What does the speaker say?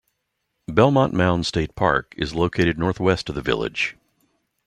Belmont Mound State Park is located northwest of the village.